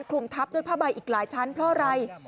คลุมทับด้วยผ้าใบอีกหลายชั้นเพราะอะไร